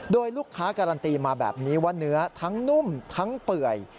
โดยลูกค้าการันตีมาแบบนี้ว่าเนื้อทั้งนุ่มทั้งเปื่อย